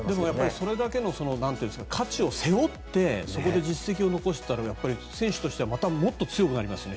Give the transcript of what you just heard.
それだけの価値を背負ってそこで実績を残してたらやっぱり、選手としてはもっと強くなりますよね。